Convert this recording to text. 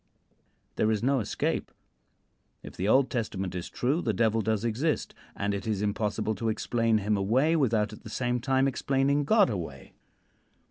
There is no escape. If the Old Testament is true, the Devil does exist, and it is impossible to explain him away without at the same time explaining God away.